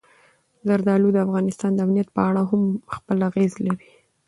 زردالو د افغانستان د امنیت په اړه هم خپل اغېز لري.